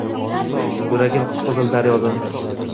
Yuragim – qip-qizil daryoda